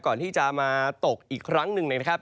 ก่อนที่จะมาตกอีกครั้งหนึ่งนะครับ